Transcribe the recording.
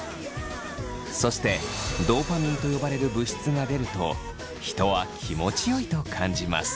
そしてドーパミンと呼ばれる物質が出ると人は気持ちよいと感じます。